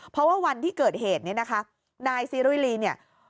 เพราะว่าวันที่เกิดเหตุนี้นะคะนายซีรุยรีเนี่ย